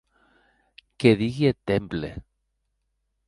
Qué digui eth temple!